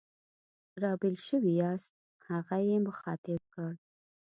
را بېل شوي یاست؟ هغه یې مخاطب کړ.